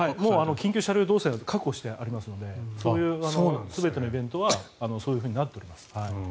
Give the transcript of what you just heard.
緊急車両動線は確保してありますのでそういう全てのイベントはそういうふうになっております。